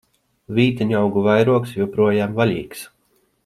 Vīteņaugu vairogs joprojām vaļīgs!